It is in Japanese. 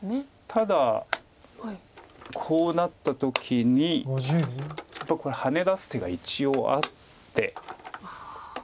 ただこうなった時にやっぱりハネ出す手が一応あって。